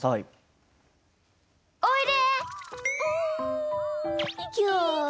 おいで！